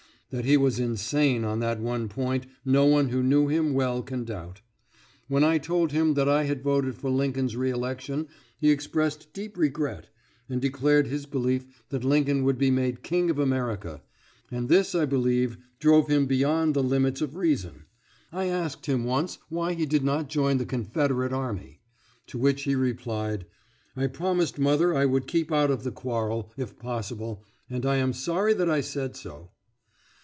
That he was insane on that one point no one who knew him well can doubt. When I told him that I had voted for Lincoln's reelection he expressed deep regret, and declared his belief that Lincoln would be made king of America; and this I believe, drove him beyond the limits of reason. I asked him once why he did not join the Confederate army. To which he replied, "I promised mother I would keep out of the quarrel, if possible, and I am sorry that I said so."